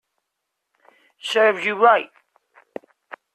Serves you right